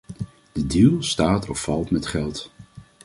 De deal staat of valt met geld.